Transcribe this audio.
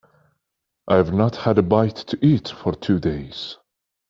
I’ve not had a bite to eat for two days.